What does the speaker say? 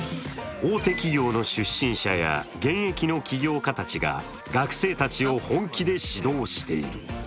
大手企業の出身者や現役の起業家たちが学生たちを本気で指導している。